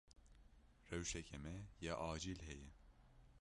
Rewşeke me ya acîl heye.